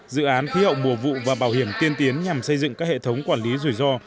dự án khí hậu mùa vụ và bảo hiểm tiên tiến nhằm xây dựng các hệ thống quản lý rủi ro